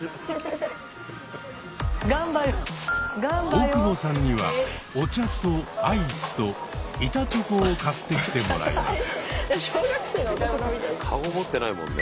大久保さんにはお茶とアイスと板チョコを買ってきてもらいます。